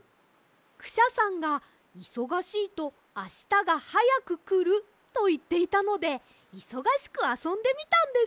クシャさんが「いそがしいとあしたがはやくくる」といっていたのでいそがしくあそんでみたんです。